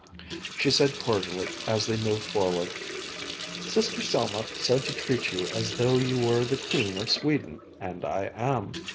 She said cordially as they moved forward: "Sister Selma said to treat you as though you were the Queen of Sweden, and I am!